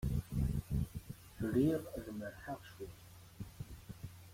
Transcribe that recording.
Riɣ ad merrḥeɣ cwiṭ.